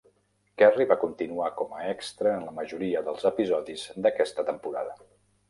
Kerry va continuar com a extra en la majoria dels episodis d'aquesta temporada.